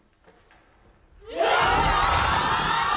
やった！